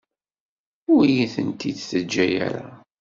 Ur iyi-tent-id-teǧǧa ara.